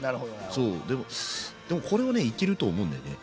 そうでもでもこれはねいけると思うんだよね。